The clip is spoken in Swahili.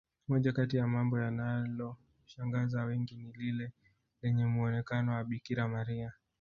moja Kati ya mambo yanaloshangaza wengi ni lile lenye muonekano wa bikira maria